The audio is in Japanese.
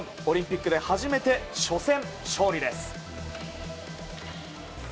オリンピックで初めて初戦勝利です。